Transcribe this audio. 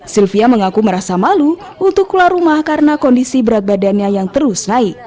sylvia mengaku merasa malu untuk keluar rumah karena kondisi berat badannya yang terus naik